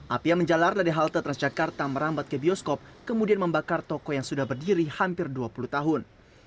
api yang menjalar dari halte transjakarta merambat ke bioskop kemudian membakar toko yang sudah berdiri hampir dua puluh tahun